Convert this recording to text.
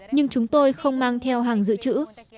nhưng chúng tôi không mang theo hàng dự trữ